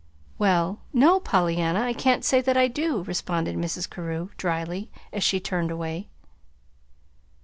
"Well, no, Pollyanna, I can't say that I do," responded Mrs. Carew, dryly, as she turned away.